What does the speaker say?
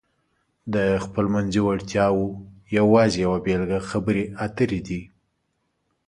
د خپلمنځي وړتیاو یوازې یوه بېلګه خبرې اترې دي.